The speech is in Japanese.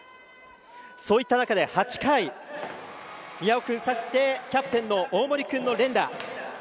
そういった中で８回宮尾君、そしてキャプテンの大森君の連打。